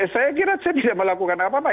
saya kira saya tidak melakukan apa apa